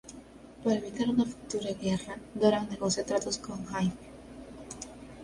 Para evitar una futura guerra, Doran negocia tratos con Jaime.